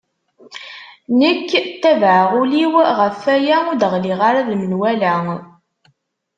Nekk tabaɛeɣ ul-iw ɣef waya ur d-ɣliɣ ara d menwala.